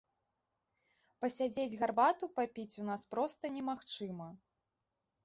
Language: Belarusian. Пасядзець, гарбату папіць у нас проста немагчыма.